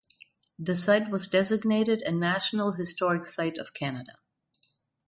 The site was designated a National Historic Site of Canada.